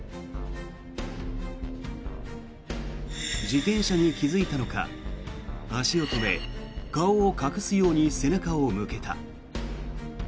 自転車に気付いたのか足を止め、顔を隠すように背中を向けた。